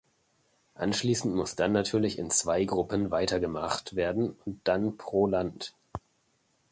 Anschließend muss dann natürlich in zwei Gruppen weitergemacht werden und dann pro Land.